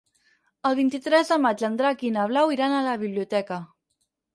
El vint-i-tres de maig en Drac i na Blau iran a la biblioteca.